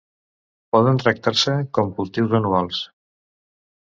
Poden tractar-se com cultius anuals.